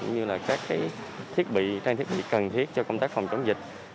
như là các thiết bị trang thiết bị cần thiết cho công tác phòng chống dịch